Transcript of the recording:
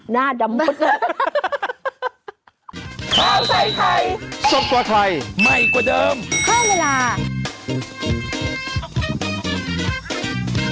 หน้าดำวดเลย